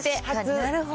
なるほど。